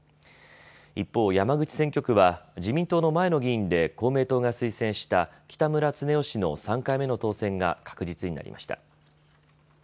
一方、山口選挙区は自民党の前の議員で公明党が推薦した北村経夫氏の３回目の当選が確実になりました。